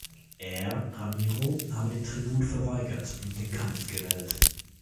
Er, Ramiro, habe den Tribut verweigert und den Kampf gewählt.